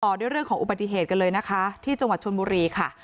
ด้วยเรื่องของอุบัติเหตุกันเลยนะคะที่จังหวัดชนบุรีค่ะ